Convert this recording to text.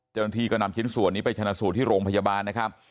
เจ้าหน้าที่ก็นำชิ้นส่วนนี้ไปชนะสูตรที่โรงพยาบาลนะครับ